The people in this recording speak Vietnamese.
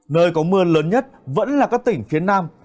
nơi có mưa lớn nhất vẫn là các tỉnh phía nam